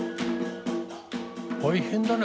大変だね